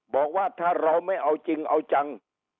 บอกว่าถ้าเราไม่เอาจริงเอาจัง